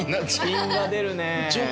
品が出るね。